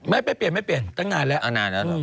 ไม่เปลี่ยนไม่เปลี่ยนตั้งงานแล้ว